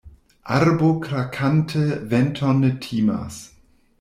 Arbo krakanta venton ne timas.